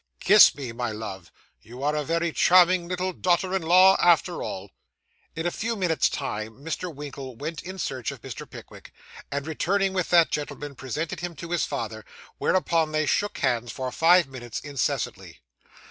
'Kiss me, my love. You are a very charming little daughter in law after all!' In a few minutes' time Mr. Winkle went in search of Mr. Pickwick, and returning with that gentleman, presented him to his father, whereupon they shook hands for five minutes incessantly.